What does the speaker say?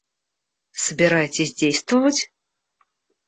Собираетесь действовать?